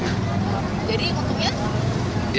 jadi yang untuknya